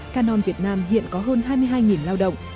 canon việt nam hiện có hơn hai mươi hai lao động